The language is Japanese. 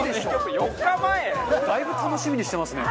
だいぶ楽しみにしてますね。